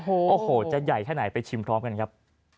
โอ้โหจะใหญ่แค่ไหนไปชิมพร้อมกันครับ